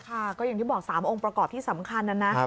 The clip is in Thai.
ก็อย่างที่บอก๓องค์ประกอบที่สำคัญนะนะ